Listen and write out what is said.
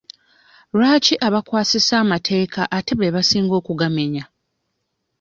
Lwaki abakwasisa amateeka ate be basinga okugamenya?